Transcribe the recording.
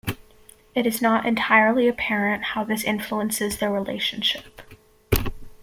It is not entirely apparent how this influences their relationship.